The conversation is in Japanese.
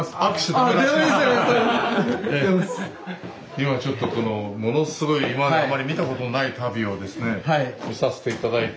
今ちょっとこのものすごい今まであまり見たことのない足袋を見させて頂いて。